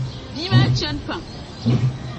Bia maa chani pam.